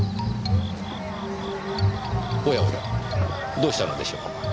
おやおやどうしたのでしょう。